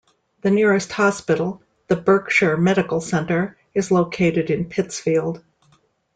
The nearest hospital, the Berkshire Medical Center, is located in Pittsfield.